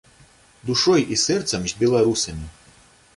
Душой і сэрцам з беларусамі.